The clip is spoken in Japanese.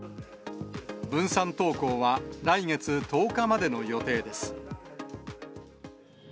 分散登校は、来月１０日までの予定です。